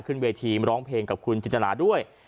ขึ้นเวทีร้องเพลงกับคุณจินตราด้วย